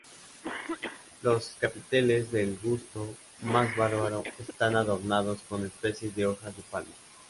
Los capiteles del gusto más bárbaro están adornados con especies de hojas de palma.